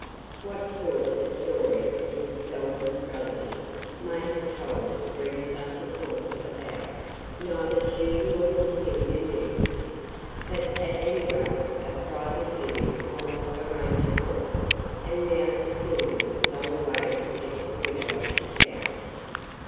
What sort of story Mrs. Salvey's relative may have told to bring such a course about, neither she nor Cecilia knew. But at any rate a private hearing was arranged for, and now Cecilia was on her way to fetch the widow to town.